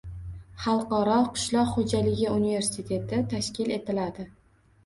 Xalqaro qishloq xo‘jaligi universiteti tashkil etiladi.